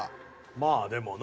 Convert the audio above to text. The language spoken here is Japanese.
まあでもな